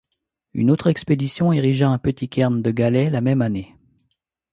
Une autre expédition érigea un petit cairn de galets la même année.